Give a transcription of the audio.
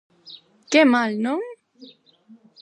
Que mal, non?